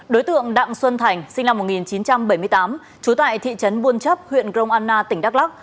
đối tượng đặng xuân thành sinh năm một nghìn chín trăm bảy mươi tám trú tại thị trấn buôn chấp huyện grong anna tỉnh đắk lắc